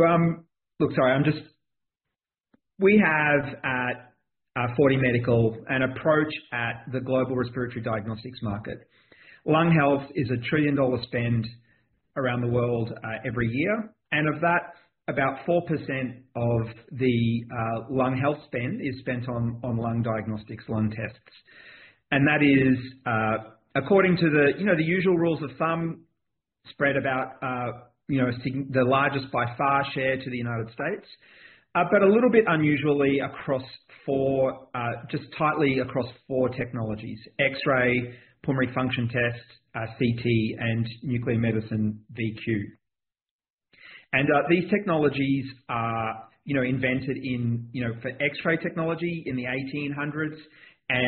Look, sorry, I'm just—we have at 4DMedical an approach at the global respiratory diagnostics market. Lung health is a trillion-dollar spend around the world every year, and of that, about 4% of the lung health spend is spent on lung diagnostics, lung tests. That is, according to the usual rules of thumb, spread about the largest by far share to the United States, but a little bit unusually across four—just tightly across four technologies: X-ray, pulmonary function test, CT, and nuclear medicine VQ. These technologies are invented for X-ray technology in the 1800s,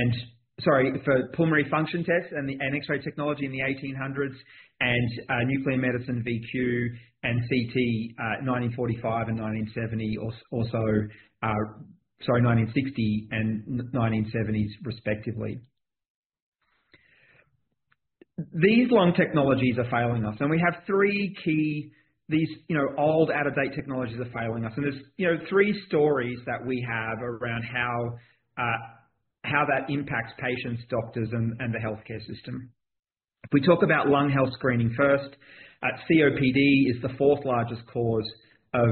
and—sorry—for pulmonary function tests and X-ray technology in the 1800s, and nuclear medicine VQ and CT 1945 and 1970, or sorry, 1960 and 1970s respectively. These lung technologies are failing us, and we have three key—these old, out-of-date technologies are failing us. There are three stories that we have around how that impacts patients, doctors, and the healthcare system. We talk about lung health screening first. COPD is the fourth largest cause of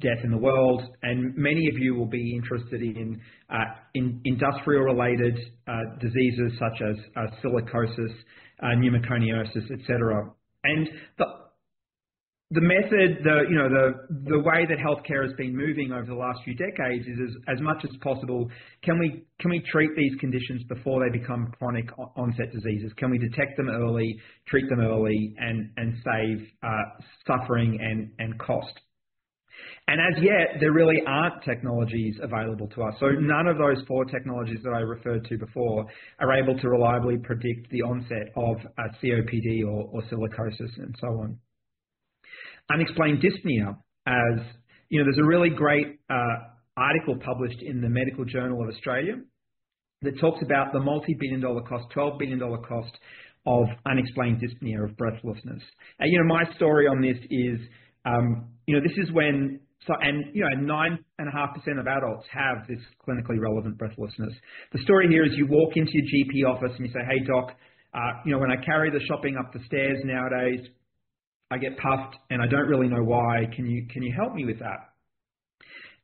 death in the world, and many of you will be interested in industrial-related diseases such as silicosis, pneumoconiosis, etc. The method, the way that healthcare has been moving over the last few decades is, as much as possible, can we treat these conditions before they become chronic onset diseases? Can we detect them early, treat them early, and save suffering and cost? As yet, there really aren't technologies available to us. None of those four technologies that I referred to before are able to reliably predict the onset of COPD or silicosis and so on. Unexplained dyspnea, as there's a really great article published in the Medical Journal of Australia that talks about the multi-billion-dollar cost, $12 billion cost of unexplained dyspnea of breathlessness. My story on this is, this is when—9.5% of adults have this clinically relevant breathlessness. The story here is you walk into your GP office and you say, "Hey, Doc, when I carry the shopping up the stairs nowadays, I get puffed, and I don't really know why. Can you help me with that?"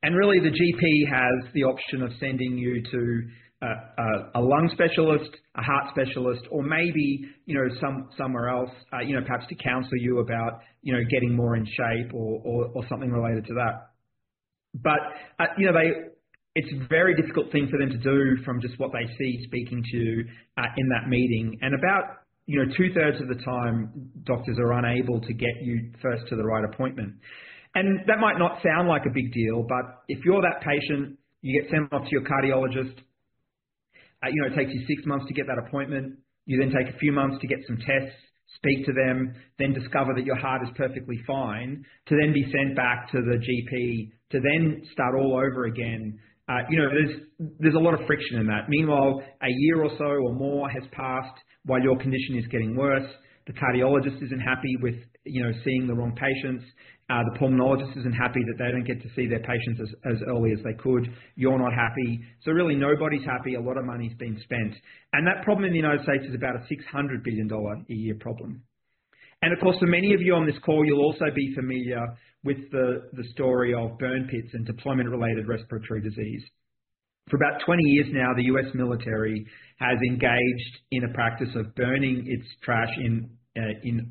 Really, the GP has the option of sending you to a lung specialist, a heart specialist, or maybe somewhere else, perhaps to counsel you about getting more in shape or something related to that. It's a very difficult thing for them to do from just what they see speaking to you in that meeting. About two-thirds of the time, doctors are unable to get you first to the right appointment. That might not sound like a big deal, but if you're that patient, you get sent off to your cardiologist, it takes you six months to get that appointment, you then take a few months to get some tests, speak to them, then discover that your heart is perfectly fine, to then be sent back to the GP, to then start all over again. There's a lot of friction in that. Meanwhile, a year or so or more has passed while your condition is getting worse. The cardiologist isn't happy with seeing the wrong patients. The pulmonologist isn't happy that they don't get to see their patients as early as they could. You're not happy. Really, nobody's happy. A lot of money's been spent. That problem in the United States is about a $600 billion a year problem. For many of you on this call, you'll also be familiar with the story of burn pits and deployment-related respiratory disease. For about 20 years now, the U.S. military has engaged in a practice of burning its trash in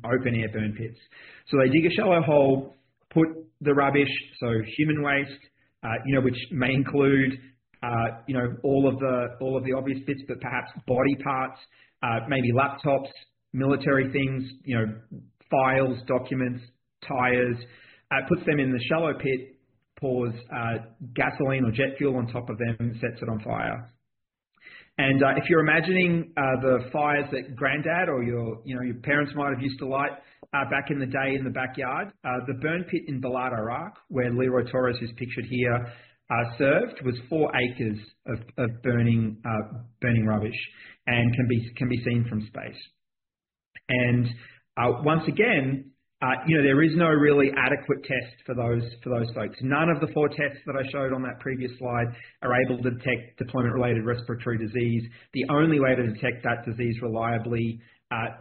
open-air burn pits. They dig a shallow hole, put the rubbish, so human waste, which may include all of the obvious bits, but perhaps body parts, maybe laptops, military things, files, documents, tires, put them in the shallow pit, pour gasoline or jet fuel on top of them, set it on fire. If you're imagining the fires that granddad or your parents might have used to light back in the day in the backyard, the burn pit in Balad Air Base, where LeRoy Torres is pictured here, served was four acres of burning rubbish and can be seen from space. Once again, there is no really adequate test for those folks. None of the four tests that I showed on that previous slide are able to detect deployment-related respiratory disease. The only way to detect that disease reliably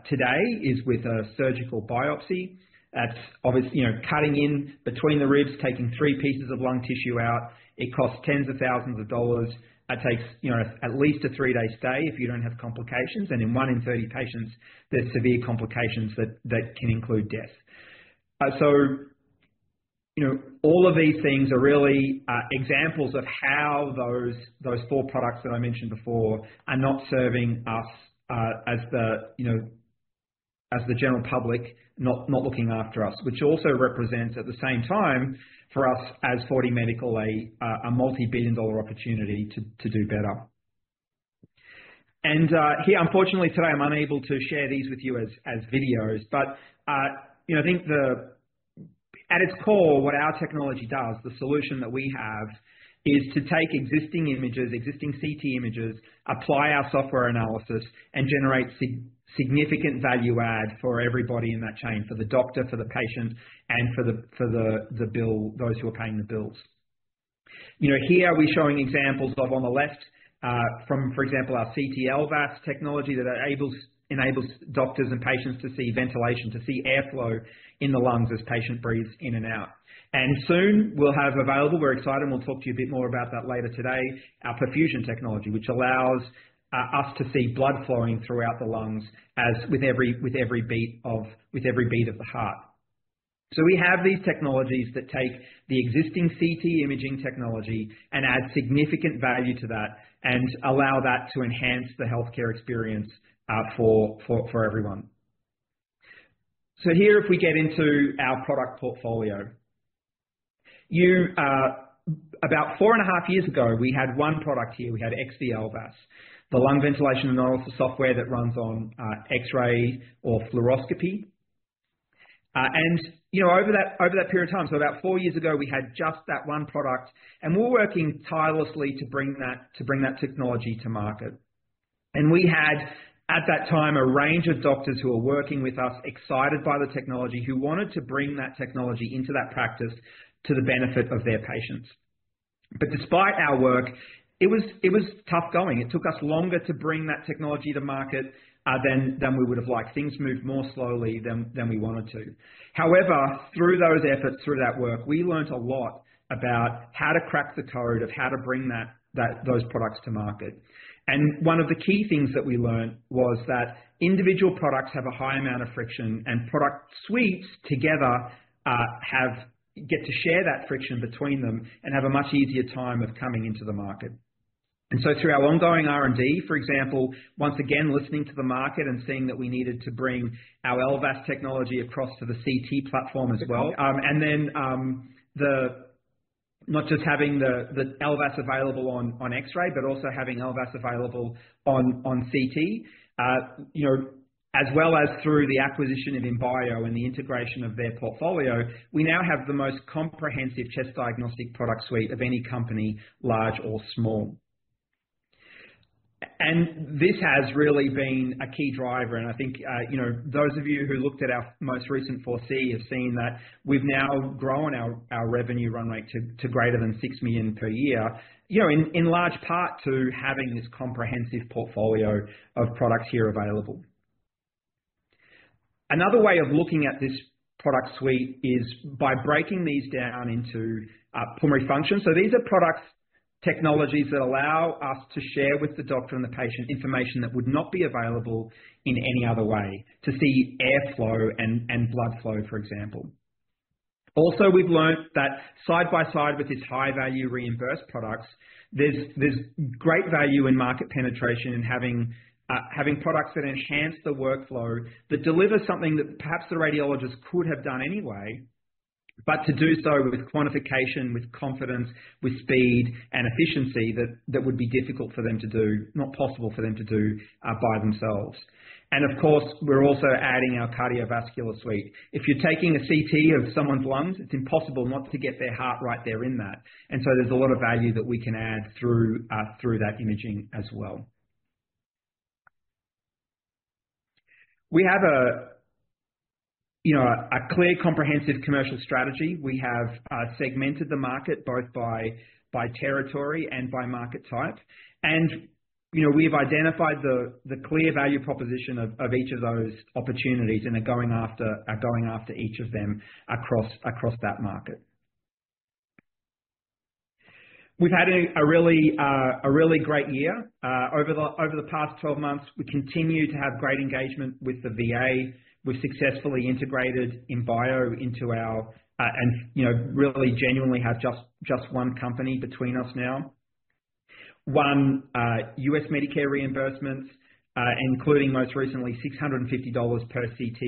today is with a surgical biopsy. That's obviously cutting in between the ribs, taking three pieces of lung tissue out. It costs tens of thousands of dollars. It takes at least a three-day stay if you don't have complications. In one in 30 patients, there's severe complications that can include death. All of these things are really examples of how those four products that I mentioned before are not serving us as the general public, not looking after us, which also represents at the same time for us as 4DMedical a multi-billion-dollar opportunity to do better. Here, unfortunately, today, I'm unable to share these with you as videos, but at its core, what our technology does, the solution that we have, is to take existing images, existing CT images, apply our software analysis, and generate significant value add for everybody in that chain, for the doctor, for the patient, and for those who are paying the bills. Here we're showing examples of, on the left, from, for example, our CT LVAS technology that enables doctors and patients to see ventilation, to see airflow in the lungs as patients breathe in and out. Soon we'll have available, we're excited, and we'll talk to you a bit more about that later today, our perfusion technology, which allows us to see blood flowing throughout the lungs with every beat of the heart. We have these technologies that take the existing CT imaging technology and add significant value to that and allow that to enhance the healthcare experience for everyone. Here, if we get into our product portfolio, about four and a half years ago, we had one product here. We had XV LVAS, the lung ventilation and all of the software that runs on X-ray or fluoroscopy. Over that period of time, so about four years ago, we had just that one product, and we're working tirelessly to bring that technology to market. We had, at that time, a range of doctors who were working with us, excited by the technology, who wanted to bring that technology into that practice to the benefit of their patients. Despite our work, it was tough going. It took us longer to bring that technology to market than we would have liked. Things moved more slowly than we wanted to. However, through those efforts, through that work, we learned a lot about how to crack the code of how to bring those products to market. One of the key things that we learned was that individual products have a high amount of friction, and product suites together get to share that friction between them and have a much easier time of coming into the market. Through our ongoing R&D, for example, once again, listening to the market and seeing that we needed to bring our LVAS technology across to the CT platform as well. Not just having the LVAS available on X-ray, but also having LVAS available on CT, as well as through the acquisition of Imbio and the integration of their portfolio, we now have the most comprehensive chest diagnostic product suite of any company, large or small. This has really been a key driver. Those of you who looked at our most recent 4C have seen that we've now grown our revenue run rate to greater than $6 million per year, in large part to having this comprehensive portfolio of products here available. Another way of looking at this product suite is by breaking these down into pulmonary function. These are products, technologies that allow us to share with the doctor and the patient information that would not be available in any other way to see airflow and blood flow, for example. Also, we've learned that side by side with these high-value reimbursed products, there's great value in market penetration and having products that enhance the workflow that deliver something that perhaps the radiologist could have done anyway, but to do so with quantification, with confidence, with speed and efficiency that would be difficult for them to do, not possible for them to do by themselves. We're also adding our cardiovascular suite. If you're taking a CT of someone's lungs, it's impossible not to get their heart right there in that. There is a lot of value that we can add through that imaging as well. We have a clear, comprehensive commercial strategy. We have segmented the market both by territory and by market type. We have identified the clear value proposition of each of those opportunities and are going after each of them across that market. We've had a really great year. Over the past 12 months, we continue to have great engagement with the VA. We've successfully integrated Imbio into our and really genuinely have just one company between us now. One U.S. Medicare reimbursements, including most recently $650 per CT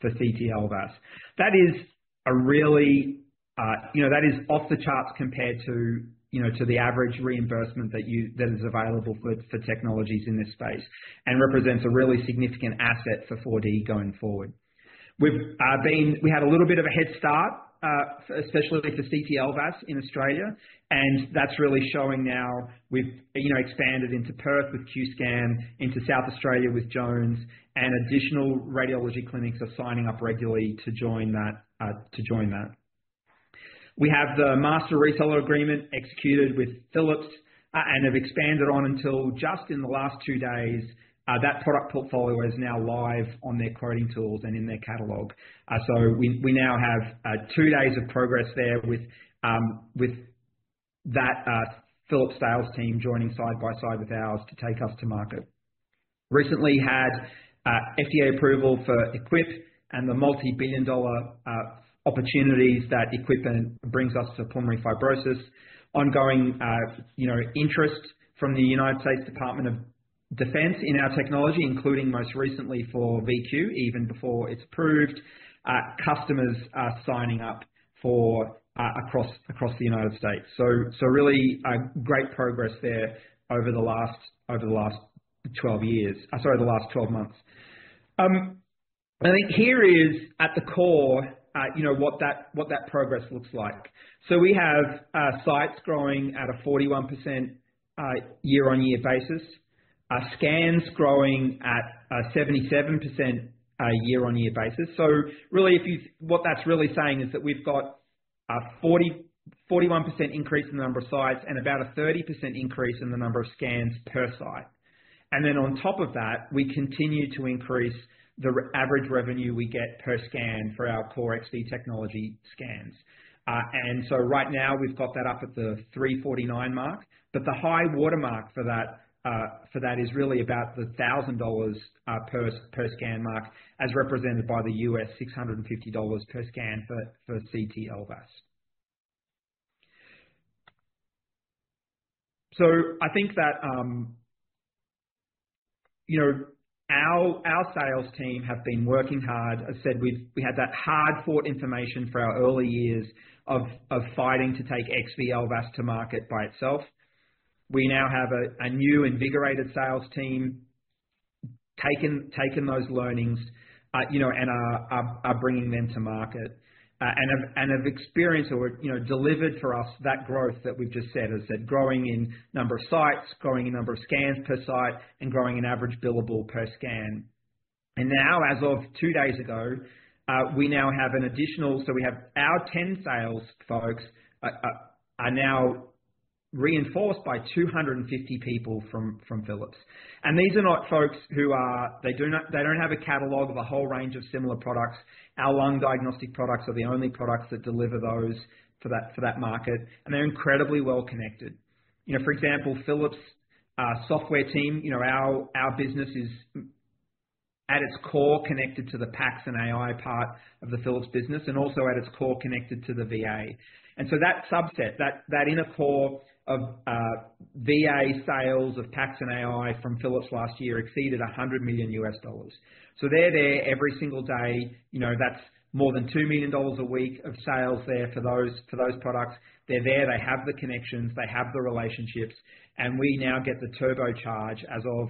for CT LVAS. That is a really—that is off the charts compared to the average reimbursement that is available for technologies in this space and represents a really significant asset for 4DMedical going forward. We had a little bit of a head start, especially for CT LVAS in Australia, and that's really showing now. We've expanded into Perth with QScan, into South Australia with Jones Radiology, and additional radiology clinics are signing up regularly to join that. We have the master reseller agreement executed with Philips and have expanded on until just in the last two days. That product portfolio is now live on their quoting tools and in their catalog. We now have two days of progress there with that Philips sales team joining side by side with ours to take us to market. Recently had FDA approval for equip and the multi-billion-dollar opportunities that equipment brings us to pulmonary fibrosis. Ongoing interest from the United States Department of Defense in our technology, including most recently for VQ, even before it's approved. Customers are signing up across the United States. Really great progress there over the last 12 years—sorry, the last 12 months. Here is, at the core, what that progress looks like. We have sites growing at a 41% year-on-year basis, scans growing at a 77% year-on-year basis. What that's really saying is that we've got a 41% increase in the number of sites and about a 30% increase in the number of scans per site. On top of that, we continue to increase the average revenue we get per scan for our CoreXC technology scans. Right now, we've got that up at the 349 mark, but the high watermark for that is really about the $1,000 per scan mark as represented by the US $650 per scan for CT LVAS. Our sales team have been working hard. As I said, we had that hard-fought information for our early years of fighting to take XV LVAS to market by itself. We now have a new invigorated sales team taking those learnings and are bringing them to market and have experienced or delivered for us that growth that we've just said. As I said, growing in number of sites, growing in number of scans per site, and growing in average billable per scan. Now, as of two days ago, we now have an additional—so we have our 10 sales folks are now reinforced by 250 people from Philips. These are not folks who are—they do not have a catalog of a whole range of similar products. Our lung diagnostic products are the only products that deliver those for that market, and they are incredibly well connected. For example, Philips software team, our business is at its core connected to the PACS and AI part of the Philips business and also at its core connected to the VA. That subset, that inner core of VA sales of PACS and AI from Philips last year exceeded $100 million. They are there every single day. That is more than $2 million a week of sales there for those products. They are there. They have the connections. They have the relationships. We now get the turbocharge as of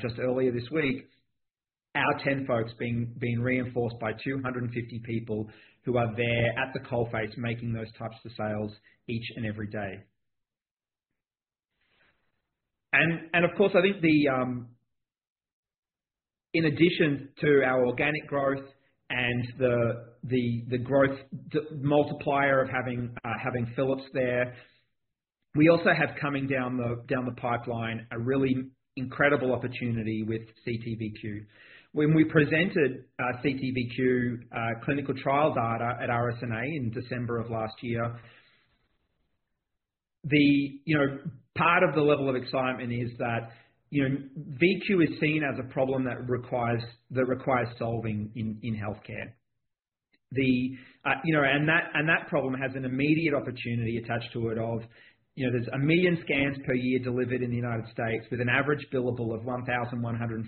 just earlier this week, our 10 folks being reinforced by 250 people who are there at the coalface making those types of sales each and every day. In addition to our organic growth and the growth multiplier of having Philips there, we also have coming down the pipeline a really incredible opportunity with CT VQ. When we presented CT VQ clinical trial data at RSNA in December of last year, part of the level of excitement is that VQ is seen as a problem that requires solving in healthcare. That problem has an immediate opportunity attached to it of there's a million scans per year delivered in the United States with an average billable of $1,150.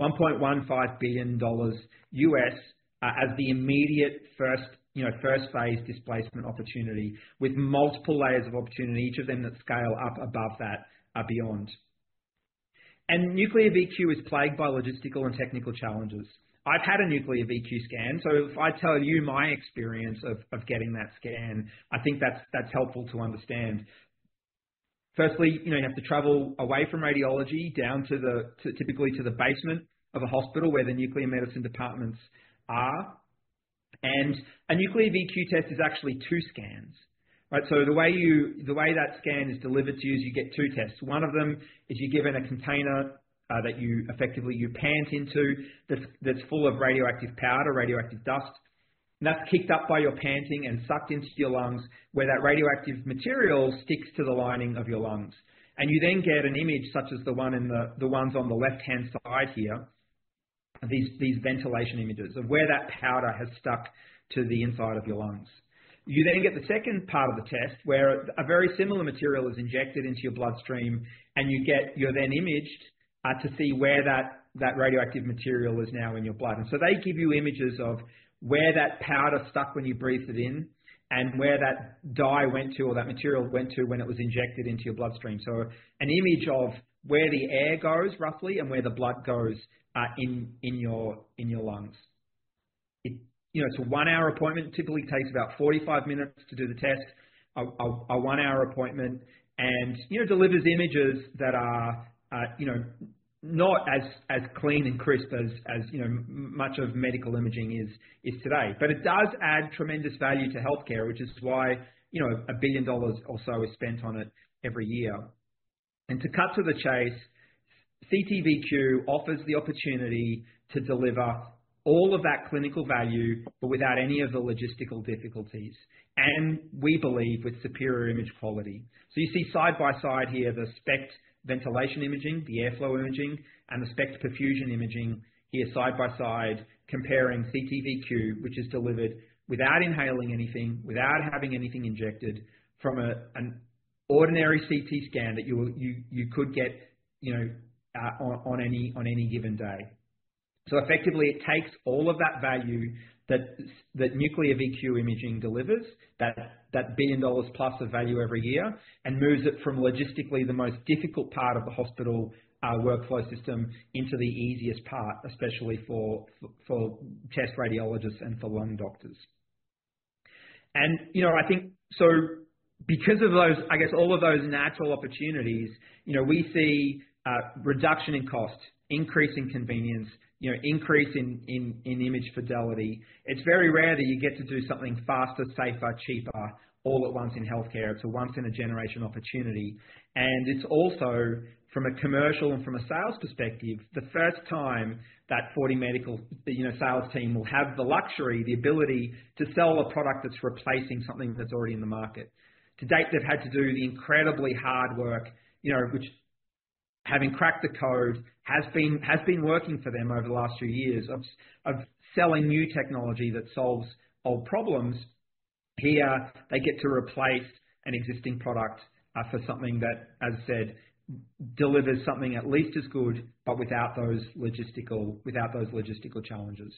$1.15 billion US as the immediate first phase displacement opportunity with multiple layers of opportunity, each of them that scale up above that beyond. Nuclear VQ is plagued by logistical and technical challenges. I've had a nuclear VQ scan. If I tell you my experience of getting that scan, that's helpful to understand. Firstly, you have to travel away from radiology typically to the basement of a hospital where the nuclear medicine departments are. A nuclear VQ test is actually two scans. The way that scan is delivered to you is you get two tests. One of them is you're given a container that effectively you pant into that's full of radioactive powder or radioactive dust. That's kicked up by your panting and sucked into your lungs where that radioactive material sticks to the lining of your lungs. You then get an image such as the ones on the left-hand side here, these ventilation images of where that powder has stuck to the inside of your lungs. You then get the second part of the test where a very similar material is injected into your bloodstream, and you're then imaged to see where that radioactive material is now in your blood. They give you images of where that powder stuck when you breathed it in and where that dye went to or that material went to when it was injected into your bloodstream. An image of where the air goes roughly and where the blood goes in your lungs. It is a one-hour appointment. It typically takes about 45 minutes to do the test, a one-hour appointment, and delivers images that are not as clean and crisp as much of medical imaging is today. It does add tremendous value to healthcare, which is why $1 billion or so is spent on it every year. To cut to the chase, CT VQ offers the opportunity to deliver all of that clinical value but without any of the logistical difficulties, and we believe with superior image quality. You see side by side here the SPECT ventilation imaging, the airflow imaging, and the SPECT perfusion imaging here side by side comparing CT VQ, which is delivered without inhaling anything, without having anything injected from an ordinary CT scan that you could get on any given day. Effectively, it takes all of that value that nuclear medicine VQ imaging delivers, that billion dollars plus of value every year, and moves it from logistically the most difficult part of the hospital workflow system into the easiest part, especially for chest radiologists and for lung doctors. All of those natural opportunities, we see reduction in cost, increase in convenience, increase in image fidelity. It's very rare that you get to do something faster, safer, cheaper all at once in healthcare. It's a once-in-a-generation opportunity. It is also, from a commercial and from a sales perspective, the first time that 4DMedical's sales team will have the luxury, the ability to sell a product that's replacing something that's already in the market. To date, they've had to do the incredibly hard work, which, having cracked the code, has been working for them over the last few years of selling new technology that solves old problems. Here, they get to replace an existing product for something that, as I said, delivers something at least as good but without those logistical challenges.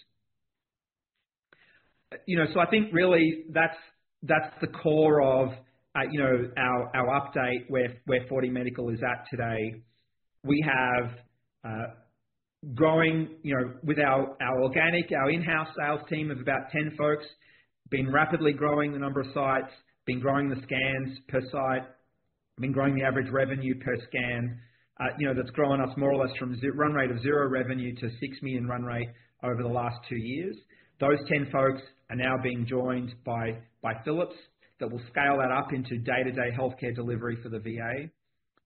Really that's the core of our update where 4DMedical is at today. We have growing with our organic, our in-house sales team of about 10 folks, been rapidly growing the number of sites, been growing the scans per site, been growing the average revenue per scan. That's grown us more or less from a run rate of zero revenue to $6 million run rate over the last two years. Those 10 folks are now being joined by Philips that will scale that up into day-to-day healthcare delivery for the VA.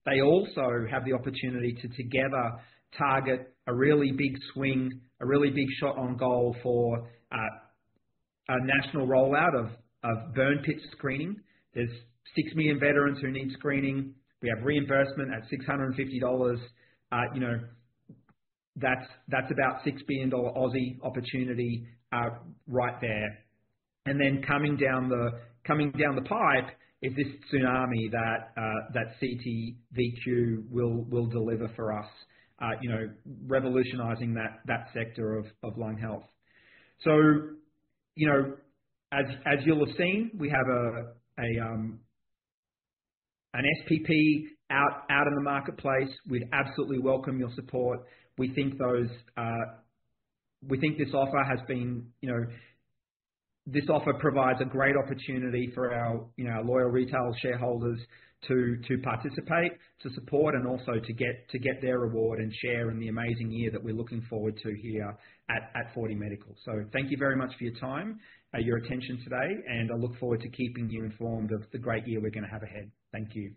They also have the opportunity to together target a really big swing, a really big shot on goal for a national rollout of burn pit screening. There's 6 million veterans who need screening. We have reimbursement at $650. That's about an 6 billion Aussie dollars opportunity right there. Coming down the pipe is this tsunami that CT VQ will deliver for us, revolutionizing that sector of lung health. As you'll have seen, we have an SPP out in the marketplace. We'd absolutely welcome your support. this offer provides a great opportunity for our loyal retail shareholders to participate, to support, and also to get their reward and share in the amazing year that we are looking forward to here at 4DMedical. Thank you very much for your time and your attention today, and I look forward to keeping you informed of the great year we are going to have ahead. Thank you.